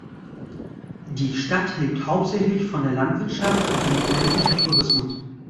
Die Stadt lebt hauptsächlich von der Landwirtschaft und dem ländlichen Tourismus.